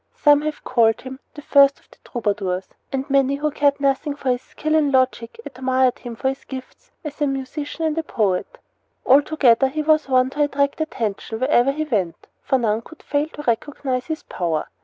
Some have called him "the first of the troubadours," and many who cared nothing for his skill in logic admired him for his gifts as a musician and a poet. Altogether, he was one to attract attention wherever he went, for none could fail to recognize his power.